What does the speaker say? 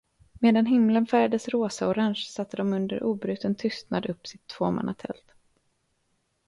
Medan himlen färgades rosaorange satte de under obruten tystnad upp sitt tvåmannatält.